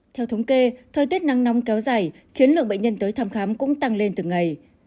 theo thống kê thời tiết nắng nóng kéo dài khiến lượng bệnh nhân tới thăm khám cũng tăng lên từng ngày